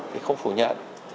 thì không phủ nhận